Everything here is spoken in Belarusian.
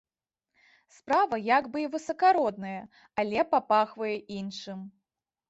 Справа як бы і высакародная, але папахвае іншым.